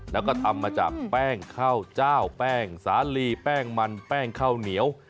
แล้วก็ทำมาจากแป้งข้าวเจ้าแป้งสาลีแป้งมันแป้งข้าวเหนียว